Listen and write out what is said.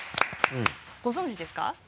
ご存じですか？